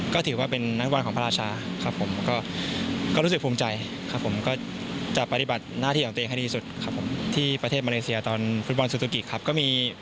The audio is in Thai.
ก็ถือว่าเป็นนักฟุตบอลของพระราชาครับผม